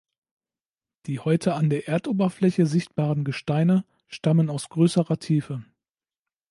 Die heute an der Erdoberfläche sichtbaren Gesteine stammen aus größerer Tiefe.